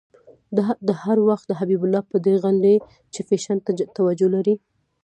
ده هر وخت حبیب الله په دې غندی چې فېشن ته توجه لري.